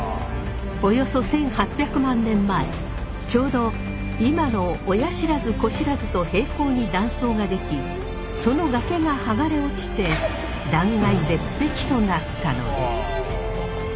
およそ１，８００万年前ちょうど今の親不知・子不知と平行に断層ができその崖が剥がれ落ちて断崖絶壁となったのです。